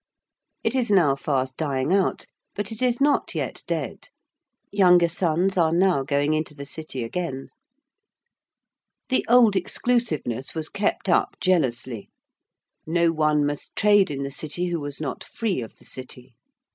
It is now fast dying out, but it is not yet dead. Younger sons are now going into the City again. [Illustration: FLEET STREET AND TEMPLE BAR.] The old exclusiveness was kept up jealously. No one must trade in the City who was not free of the City.